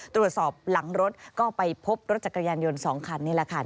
ตรวจสอบหลังรถก็ไปพบรถจักรยานยนต์๒คันนี่แหละค่ะ